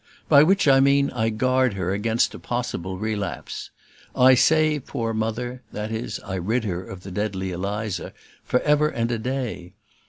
By which I mean I guard her against a possible relapse. I save poor Mother that is I rid her of the deadly Eliza forever and a day!